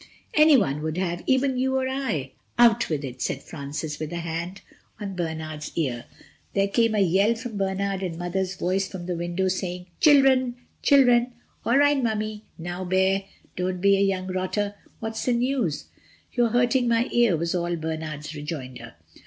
Anyone would have. Even you or I. "Out with it," said Francis, with a hand on Bernard's ear. There came a yell from Bernard and Mother's voice from the window, saying, "Children, children." "All right, Mummy. Now, Bear—don't be a young rotter. What's the news?" "You're hurting my ear," was all Bernard's rejoinder.